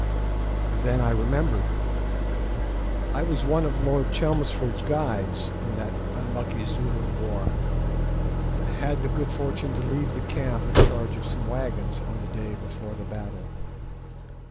Then I remembered. I was one of Lord Chelmsford's guides in that unlucky Zulu War, and had the good fortune to leave the camp in charge of some wagons on the day before the battle.